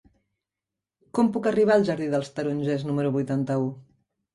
Com puc arribar al jardí dels Tarongers número vuitanta-u?